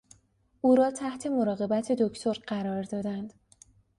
او را تحت مراقبت دکتر قرار دادند.